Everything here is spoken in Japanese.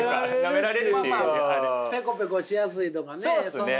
まあまあペコペコしやすいとかね。